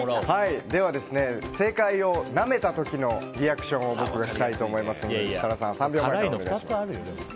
正解をなめた時のリアクションを僕がしたいと思いますので設楽さん、３秒でお願いします。